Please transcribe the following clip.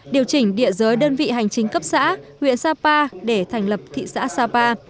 điều chỉnh địa giới đơn vị hành chính cấp xã huyện sapa để thành lập thị xã sapa